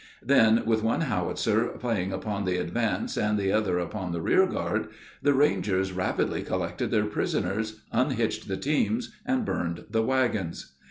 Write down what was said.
Then, with one howitzer playing upon the advance and the other upon the rear guard, the Rangers rapidly collected their prisoners, unhitched the teams, and burned the wagons.